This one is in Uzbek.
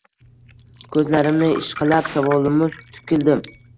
Ko'zlarimni ishqalab, savolomuz tikildim